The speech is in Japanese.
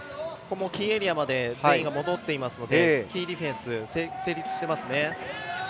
キーエリアまで全員が戻っていますのでキーディフェンス成立してますね。